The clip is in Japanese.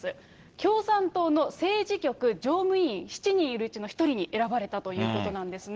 共産党の政治局常務委員、７人いるうちの１人に選ばれたということなんですね。